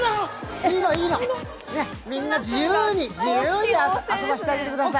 いいの、いいの、みんな自由に遊ばせてあげてください。